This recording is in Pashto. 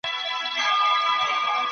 آیا مسموم شوي کسان ډېرو اوبو ته اړتیا لري؟